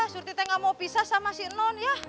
surti teh gak mau pisah sama si non ya